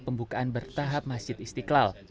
pembukaan bertahap masjid istiqlal